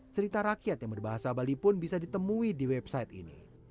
cerita rakyat yang berbahasa bali pun bisa ditemui di website ini